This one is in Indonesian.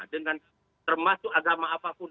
dengan termasuk agama apapun